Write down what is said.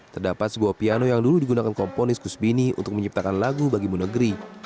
terdapat sebuah piano yang dulu digunakan komponis kusbini untuk menciptakan lagu bagimu negeri